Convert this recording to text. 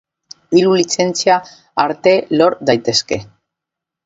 Hiru lizentzia arte lor daitezke.